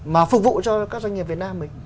mà phục vụ cho các doanh nghiệp việt nam